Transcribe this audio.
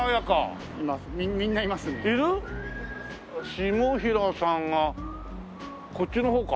下平さんはこっちの方か？